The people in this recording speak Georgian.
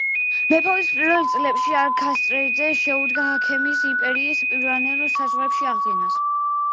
მეფობის პირველივე წლებში არტაქსერქსე შეუდგა აქემენიდების იმპერიის პირვანდელ საზღვრებში აღდგენას.